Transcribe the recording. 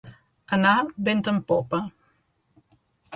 Anar vent en popa.